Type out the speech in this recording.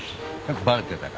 バレてたか。